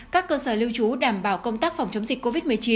các cơ sở lưu trú đảm bảo công tác phòng chống dịch covid một mươi chín